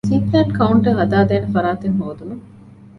ސީޕްލޭން ކައުންޓަރ ހަދާދޭނެ ފަރާތެއް ހޯދުމަށް